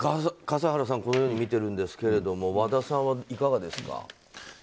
笠原さんはこのように見ているんですが和田さんはいかがですか。